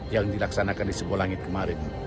yang dilaksanakan di sebuah langit kemarin